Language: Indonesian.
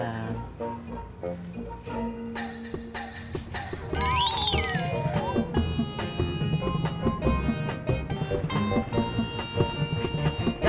jangan lupa tanya tanya